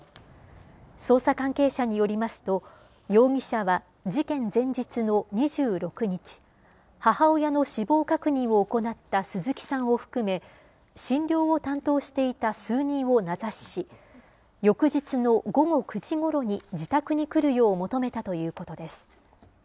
捜査関係者によりますと、容疑者は事件前日の２６日、母親の死亡確認を行った鈴木さんを含め、診療を担当していた数人を名指しし、翌日の午後９時ごろに自宅に来るよう求めたということです。